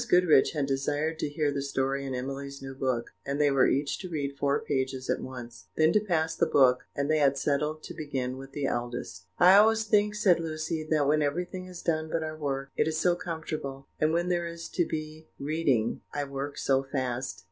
Goodriche had desired to hear the story in Emily's new book, and they were each to read four pages at once, then to pass the book; and they had settled to begin with the eldest. "I always think," said Lucy, "that when everything is done but our work, it is so comfortable; and when there is to be reading, I work so fast."